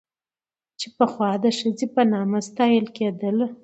چې پخوا د ښځې په نامه ستايله کېدله